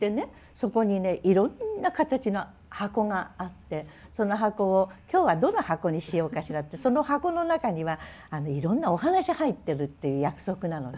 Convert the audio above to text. そこにねいろんな形の箱があってその箱を「今日はどの箱にしようかしら」ってその箱の中にはいろんなお話入ってるっていう約束なのね。